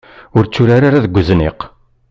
Ur tturar ara deg uzniq.